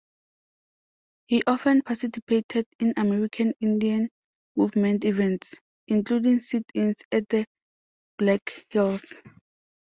He often participated in American Indian Movement events, including sit-ins at the Black Hills.